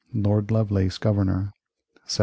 Lord Lovelace Governor 1710.